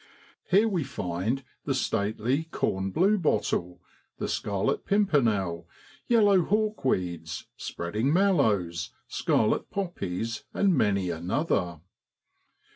Here we find the stately corn blue bottle, the scarlet pimpernel, yellow hawkweeds, spreading mallows, scarlet poppies, and many another.